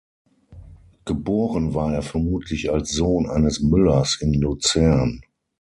Geboren war er vermutlich als Sohn eines Müllers in Luzern.